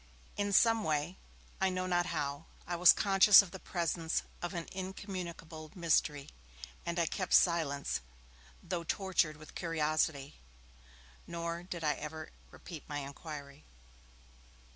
In some way, I know not how, I was conscious of the presence of an incommunicable mystery, and I kept silence, though tortured with curiosity, nor did I ever repeat my inquiry.